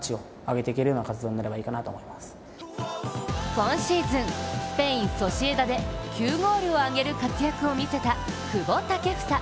今シーズン、スペイン・ソシエダで９ゴールをあげる活躍を見せた久保建英。